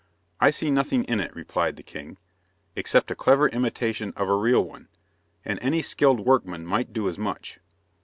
"I see nothing in it," replied the king, "except a clever imitation of a real one; and any skilled workman might do as much."